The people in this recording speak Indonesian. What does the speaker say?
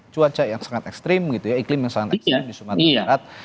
cuaca yang sangat ekstrim gitu ya iklim yang sangat ekstrim di sumatera barat